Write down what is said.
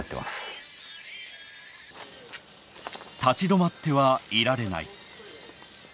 立ち止まってはいられない。